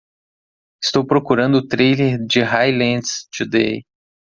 Estou procurando o trailer de Highlands Today